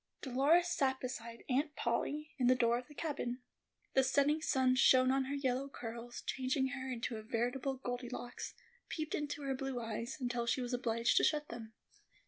Dolores sat beside Aunt Polly, in the door of the cabin. The setting sun shone on her yellow curls, changing her into a veritable "Goldilocks," peeped into her blue eyes, until she was obliged to shut them.